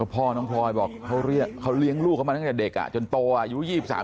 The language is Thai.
พ่อน้องพลอยบอกเขาเลี้ยงลูกเขามาตั้งแต่เด็กจนโตอายุ๒๓